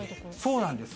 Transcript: そうなんです。